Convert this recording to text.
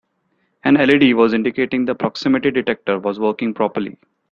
An LED was indicating the proximity detector was working properly.